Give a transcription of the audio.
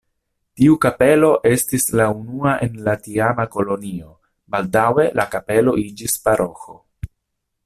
Tiu kapelo estis la unua en la tiama kolonio, baldaŭe la kapelo iĝis paroĥo.